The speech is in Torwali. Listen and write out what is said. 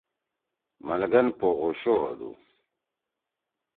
ملگن پو اوشو ہودُو۔